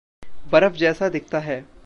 बरफ़ जैसा दिखता है।